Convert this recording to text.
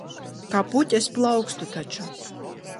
Kā puķe es plaukstu taču.